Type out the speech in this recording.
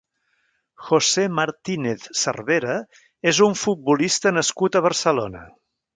José Martínez Cervera és un futbolista nascut a Barcelona.